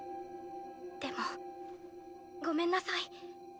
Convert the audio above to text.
でもごめんなさい。